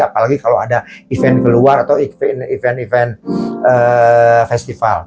apalagi kalau ada event keluar atau event event festival